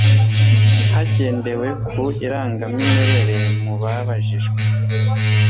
Hagendewe ku irangamimerere mu babajijwe